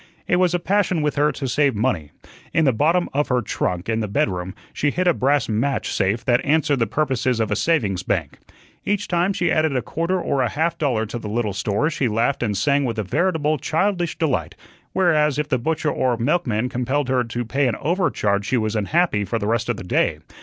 It was a passion with her to save money. In the bottom of her trunk, in the bedroom, she hid a brass match safe that answered the purposes of a savings bank. Each time she added a quarter or a half dollar to the little store she laughed and sang with a veritable childish delight; whereas, if the butcher or milkman compelled her to pay an overcharge she was unhappy for the rest of the day.